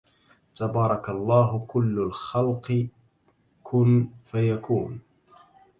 تبارك الله كل الخلق كن فيكون